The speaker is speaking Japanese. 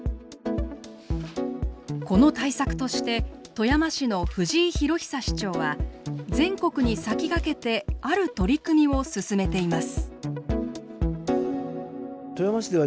この対策として富山市の藤井裕久市長は全国に先駆けてある取り組みを進めています。